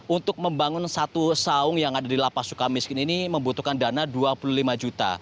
untuk membangun satu saung yang ada di lapas suka miskin ini membutuhkan dana dua puluh lima juta